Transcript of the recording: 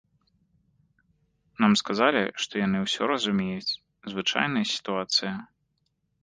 Нам сказалі, што яны ўсё разумеюць, звычайная сітуацыя.